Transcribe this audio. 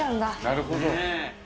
なるほど。